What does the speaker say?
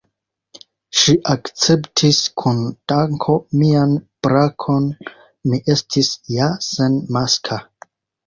Ŝi akceptis kun danko mian brakon: mi estis ja senmaska.